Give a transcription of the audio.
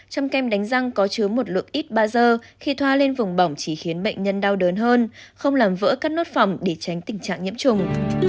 trong kem đánh răng có chứa một lượng ít ba giờ khi thoa lên vùng bỏng chỉ khiến bệnh nhân đau đớn hơn không làm vỡ các nốt phòng để tránh tình trạng nhiễm trùng